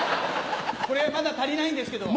これまだ足りないんですけど。